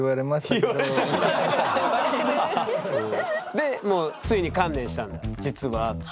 でついに観念したんだ「実は」って。